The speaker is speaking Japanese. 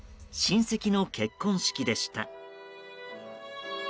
親戚の結婚式でした。